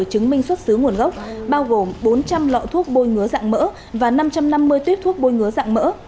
chứng minh xuất xứ nguồn gốc bao gồm bốn trăm linh lọ thuốc bôi ngứa dạng mỡ và năm trăm năm mươi tuyếp thuốc bôi ngứa dạng mỡ